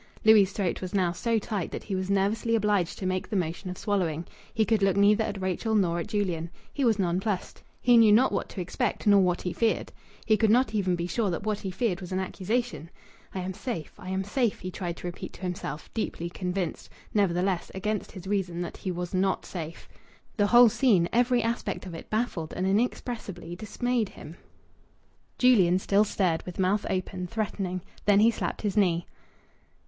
Louis' throat was now so tight that he was nervously obliged to make the motion of swallowing. He could look neither at Rachel nor at Julian. He was nonplussed. He knew not what to expect nor what he feared. He could not even be sure that what he feared was an accusation. "I am safe. I am safe," he tried to repeat to himself, deeply convinced, nevertheless, against his reason, that he was not safe. The whole scene, every aspect of it, baffled and inexpressibly dismayed him. Julian still stared, with mouth open, threatening. Then he slapped his knee.